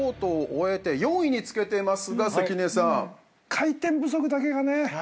回転不足だけがね。